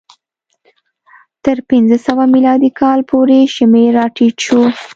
تر پنځه سوه میلادي کاله پورې شمېر راټیټ شو.